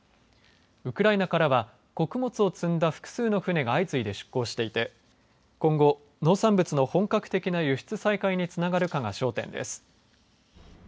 ウクライナからは穀物を積んだ複数の船が相次いで出港していて今後、農産物の本格的な輸出再開につながるかが焦点です。